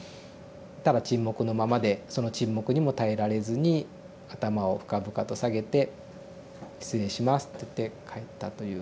ただ沈黙のままでその沈黙にも耐えられずに頭を深々と下げて「失礼します」っていって帰ったという経験がありました。